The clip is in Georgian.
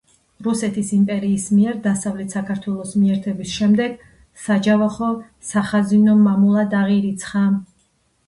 რუსეთის იმპერიის მიერ დასავლეთ საქართველოს მიერთების შემდეგ საჯავახო სახაზინო მამულად აღირიცხა.